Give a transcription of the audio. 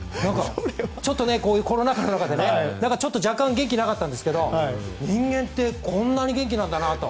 ちょっとコロナ禍の中で若干元気がなかったんですが人間ってこんなに元気なんだなと。